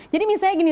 jadi misalnya gini